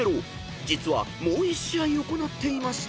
［実はもう１試合行っていました］